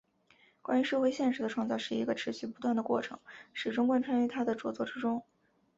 关于社会现实的创造是一个持续不断的过程始终贯穿于他的着作之中。